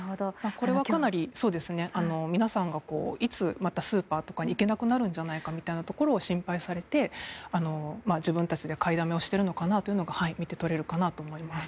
これはかなり皆さんがいつ、またスーパーとかに行けなくなるんじゃないかみたいなところを心配されて、自分たちで買いだめしているのかなと見て取れるかなと思います。